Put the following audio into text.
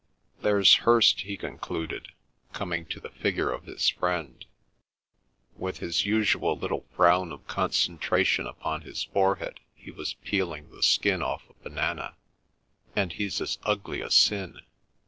"There's Hirst," he concluded, coming to the figure of his friend; with his usual little frown of concentration upon his forehead he was peeling the skin off a banana. "And he's as ugly as sin."